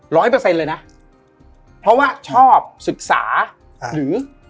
เปอร์เซ็นต์เลยนะเพราะว่าชอบศึกษาหรือ